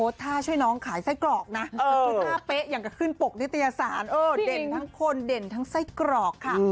อย่างกับขึ้นปกที่ตรียศาลเออเด่นทั้งคนเด่นทั้งไส้กรอกค่ะ